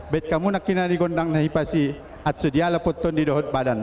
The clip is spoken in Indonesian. bet kamu nakinan di gondang nahi pasi atsudiala putun di dohut badan